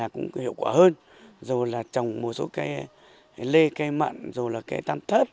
rồi là trồng một số cây lê cây mận rồi là cây tam thớt